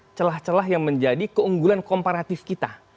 apa yang telah menjadi keunggulan komparatif kita